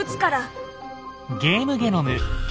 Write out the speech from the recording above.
「ゲームゲノム」。